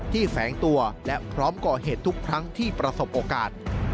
แฝงตัวและพร้อมก่อเหตุทุกครั้งที่ประสบโอกาส